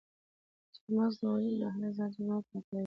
چارمغز د وجود داخلي زهرجن مواد پاکوي.